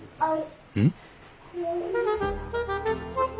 はい。